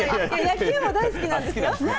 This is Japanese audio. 野球も大好きなんですよ。